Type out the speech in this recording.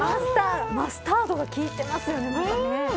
マスタードが効いてますよね。